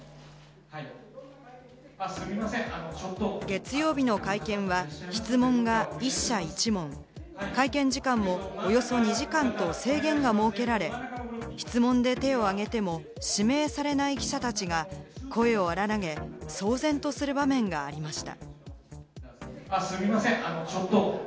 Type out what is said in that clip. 月曜日の会見は質問が１社１問、会見時間もおよそ２時間と制限が設けられ、質問で手を挙げても指名されない記者たちが声を荒らげ、騒然とする場面がありました。